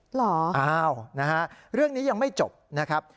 เหรออ้าวนะฮะเรื่องนี้ยังไม่จบนะครับ